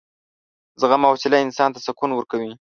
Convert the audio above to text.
زغم او حوصله انسان ته سکون ورکوي.